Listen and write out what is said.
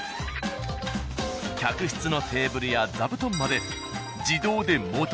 客室のテーブルや座布団まで。